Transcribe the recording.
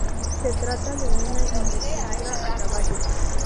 Se trata de una investidura a caballo.